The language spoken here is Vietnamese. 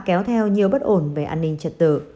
kéo theo nhiều bất ổn về an ninh trật tự